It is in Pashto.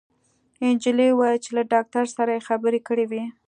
انجلۍ وويل چې له داکتر سره يې خبرې کړې وې